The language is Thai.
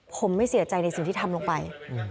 ผมไม่เสียใจในสิ่งที่ทำลงไป